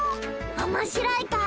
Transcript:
おもしろいか？